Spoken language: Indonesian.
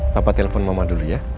papa telepon mama dulu ya